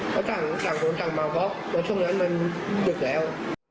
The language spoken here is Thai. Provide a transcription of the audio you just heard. แล้วก็สั่งผลสั่งมาวเพราะว่าช่วงนั้นมันหยุดแล้ว